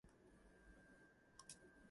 I have done nothing wrong.